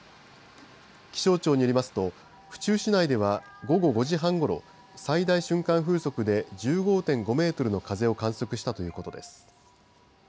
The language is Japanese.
気象庁によりますと府中市内では午後５時半ごろ、最大瞬間風速で１５．５メートルの風を観測したということです。